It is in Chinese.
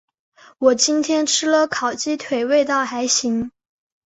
我今天吃了烤鸡腿，味道还行。